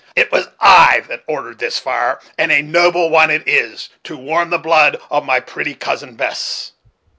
It was I that ordered this fire, and a noble one it is, to warm the blood of my pretty Cousin Bess."